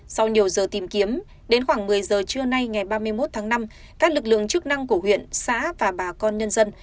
sau nhiều giờ tìm kiếm đến khoảng một mươi giờ trưa nay ngày ba mươi một tháng năm các lực lượng chức năng của huyện xã và bà con nhân dân